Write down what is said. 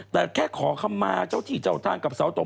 แต่แค่ขอคำมาเจ้าที่เจ้าทางกับเสาตก